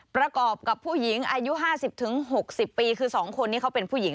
ประกอบกับผู้หญิงอายุ๕๐๖๐ปีคือ๒คนนี้เขาเป็นผู้หญิง